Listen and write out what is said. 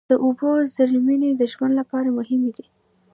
د اوبو زیرمې د ژوند لپاره مهمې دي.